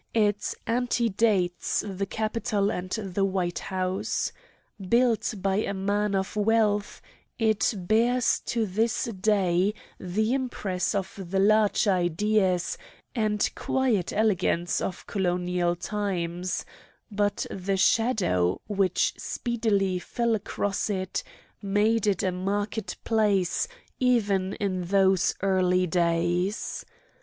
It antedates the Capitol and the White House. Built by a man of wealth, it bears to this day the impress of the large ideas and quiet elegance of colonial times; but the shadow which speedily fell across it made it a marked place even in those early days.